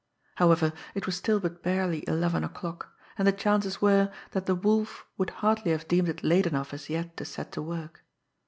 However, it was still but barely eleven o'clock, and the chances were that the Wolf would hardly have deemed it late enough as yet to set to work.